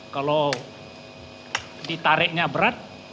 kalau ditariknya berat